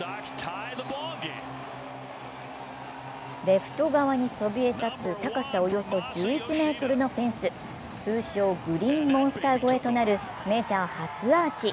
レフト側にそびえ立つ高さおよそ１１ｍのフェンス、通称・グリーンモンスター越えとなるメジャー初アーチ。